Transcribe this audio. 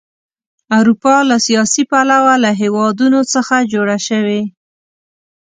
اروپا له سیاسي پلوه له هېوادونو څخه جوړه شوې.